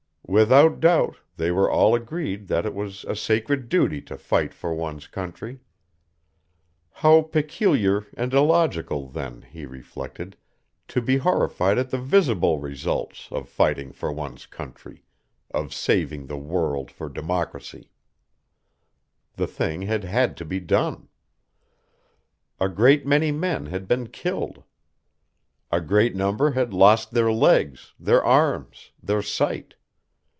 Without doubt they were all agreed that it was a sacred duty to fight for one's country. How peculiar and illogical then, he reflected, to be horrified at the visible results of fighting for one's country, of saving the world for democracy. The thing had had to be done. A great many men had been killed. A great number had lost their legs, their arms, their sight.